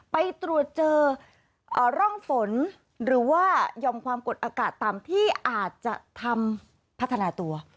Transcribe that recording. ไปตรวจเจอร่องฝนหรือว่ายอมความกดอากาศต่ำที่อาจจะทำพัฒนาตัว